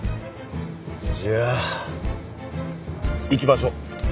じゃあ行きましょう。